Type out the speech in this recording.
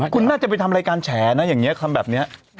คุณน่าจะไปทำรายการแฉนะอย่างนี้ทำแบบนี้